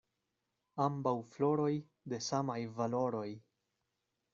Ambaŭ floroj de samaj valoroj.